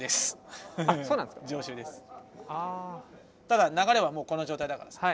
ただ流れはもうこの状態だからさ。